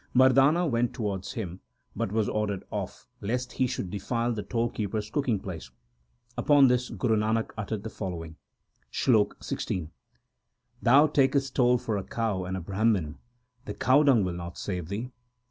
Mardana went towards him, but was ordered off, lest he should defile the toll keeper s cooking place. Upon this Guru Nanak uttered the following: SLOK XVI Thou takest toll for a cow and a Brahman, the cow dung will not save thee.